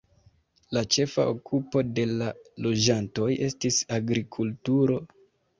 La ĉefa okupo de la loĝantoj estis agrikulturo.